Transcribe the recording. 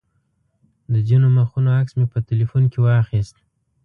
د ځینو مخونو عکس مې په تیلفون کې واخیست.